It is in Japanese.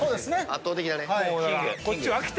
圧倒的だね。